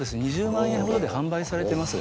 ２０万円ほどで販売されてます。